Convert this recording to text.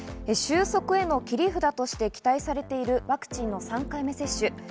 収束への切り札として期待されているワクチンの３回目接種。